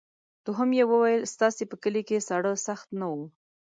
دوهم یې وویل ستاسې په کلي کې ساړه سخت نه وو.